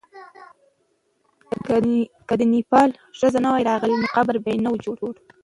که د نېپال ښځې نه وای راغلې، نو قبر به نه وو جوړ.